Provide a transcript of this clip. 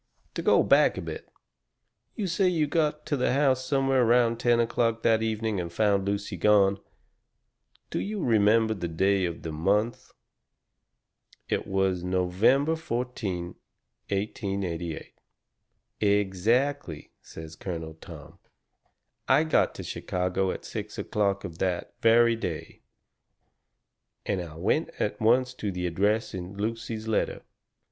"To go back a bit. You say you got to the house somewhere around ten o'clock that evening and found Lucy gone. Do you remember the day of the month?" "It was November 14, 1888." "Exactly," says Colonel Tom. "I got to Chicago at six o'clock of that very day. And I went at once to the address in Lucy's letter.